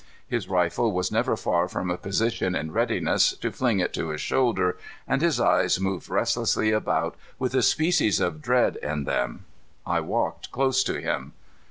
His rifle was never far from a position in readiness to fling it to his shoulder, and his eyes roved restlessly about with a species of dread in them. I walked close to him.